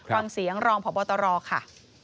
ฟังเสียงรองพบตรค่ะ